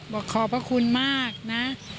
บอกขอบคุณมากนะ